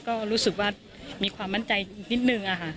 ก็รู้สึกว่ามีความมั่นใจนิดนึงค่ะ